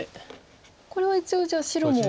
これは一応じゃあ白も。